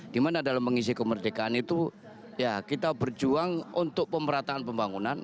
dimana dalam mengisi kemerdekaan itu ya kita berjuang untuk pemerataan pembangunan